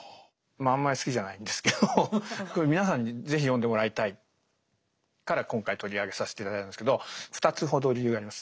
まああんまり好きじゃないんですけどこれ皆さんに是非読んでもらいたいから今回取り上げさせて頂いたんですけど２つほど理由があります。